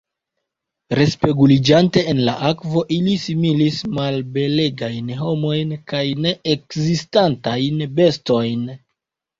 Respeguliĝante en la akvo, ili similis malbelegajn homojn kaj neekzistantajn bestojn.